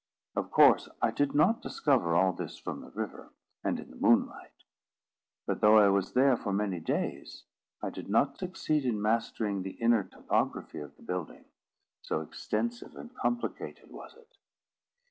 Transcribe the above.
Of course, I did not discover all this from the river, and in the moonlight. But, though I was there for many days, I did not succeed in mastering the inner topography of the building, so extensive and complicated was it.